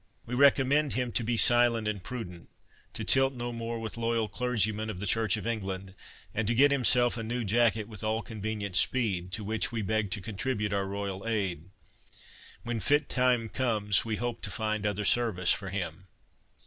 We recommend him to be silent and prudent—to tilt no more with loyal clergymen of the Church of England, and to get himself a new jacket with all convenient speed, to which we beg to contribute our royal aid. When fit time comes, we hope to find other service for him."